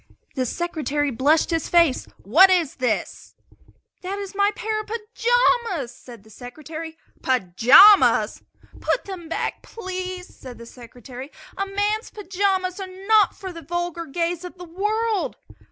The Secretary blushed his face. "What is this?" "That is my pair of pajamas!" said the Secretary. "Pajamas?" "Put them back, please?" said the Secretary. "A man's pajamas are not for the vulgar gaze of the world!"